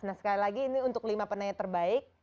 nah sekali lagi ini untuk lima penanya terbaik